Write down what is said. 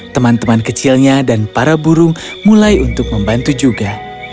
teman teman kecilnya dan para burung mulai untuk membantu juga